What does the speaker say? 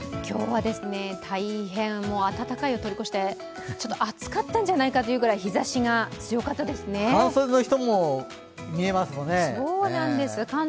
今日は大変、暖かいを通り越してちょっと暑かったんじゃないかというぐらい日ざしが強かったですね。